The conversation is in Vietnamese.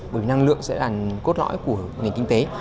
bởi năng lượng sẽ là cốt lõi của nền kinh tế